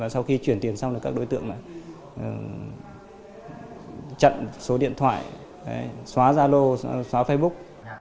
sau khi chuyển tiền xong các đối tượng chặn số điện thoại xóa gia lô xóa facebook